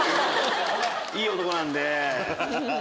いい男なんで。